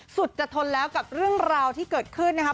สุดจะทนแล้วกับเรื่องราวที่เกิดขึ้นนะครับ